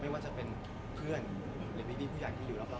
ไม่ว่าจะเป็นเพื่อนหรือพี่ผู้ใหญ่ที่อยู่รอบ